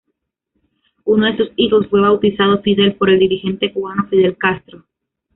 Uno de sus hijos fue bautizado Fidel por el dirigente cubano Fidel Castro.